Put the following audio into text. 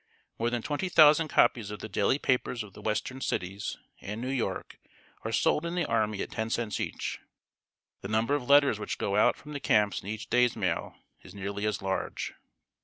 More than twenty thousand copies of the daily papers of the western cities and New York are sold in the army at ten cents each. The number of letters which go out from the camps in each day's mail is nearly as large.